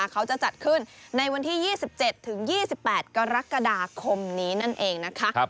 เขาจะจัดขึ้นในวันที่๒๗ถึง๒๘กรกฎาคมนี้นั่นเองนะคะ